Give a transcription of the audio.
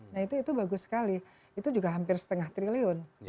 nah itu bagus sekali itu juga hampir setengah triliun